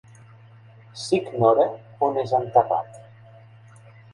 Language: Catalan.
S'ignora on és enterrat.